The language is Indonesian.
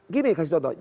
gini kasih contoh